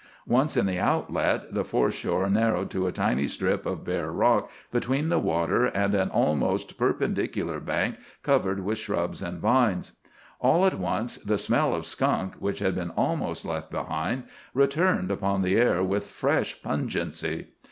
Once in the outlet, the foreshore narrowed to a tiny strip of bare rock between the water and an almost perpendicular bank covered with shrubs and vines. All at once the smell of skunk, which had been almost left behind, returned upon the air with fresh pungency.